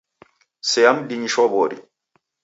Sea mdinyi shwaw'ori!